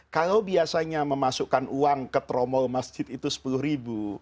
kalau biasanya memasukkan uang ke tromol masjid itu sepuluh ribu